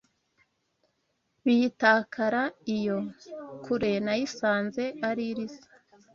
Biyitakara iyo kure Nayisanze ari iriza